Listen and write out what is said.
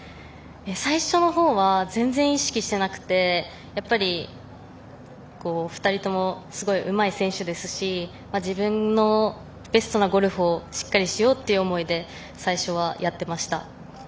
最初の方は全然意識していなくて２人ともすごいうまい選手ですし自分のベストなゴルフをしっかりしようという思いで最初はやってました。